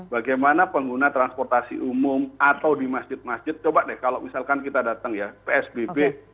bagaimana pengguna transportasi umum atau di masjid masjid coba deh kalau misalkan kita datang ya psbb